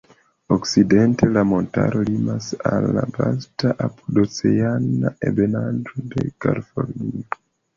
Okcidente la montaro limas al vasta apudoceana ebenaĵo de Kalifornio.